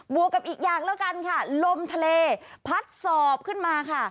วกกับอีกอย่างแล้วกันค่ะลมทะเลพัดสอบขึ้นมาค่ะ